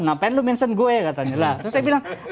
lalu dia mention gue katanya terus saya bilang